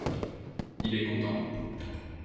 il est content.